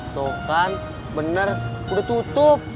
so kan bener udah tutup